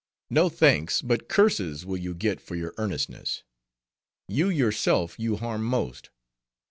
No thanks, but curses, will you get for your earnestness. You yourself you harm most.